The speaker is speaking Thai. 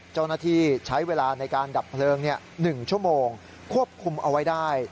เจ้าหน้าที่ใช้เวลาในการดับเพลิง๑ชั่วโมงควบคุมเอาไว้ได้